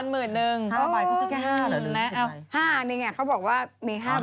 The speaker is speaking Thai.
๕ใบก็ซื้อแค่๕หรอลืมใช่ไหม๕เนี่ยไงเขาบอกว่ามี๕ใบ